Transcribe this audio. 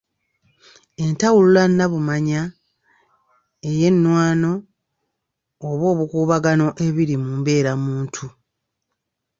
Entawulula nnabumanya ey’ennwano oba obukuubagano ebiri mu mbeerabantu.